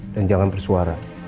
dan jangan bersuara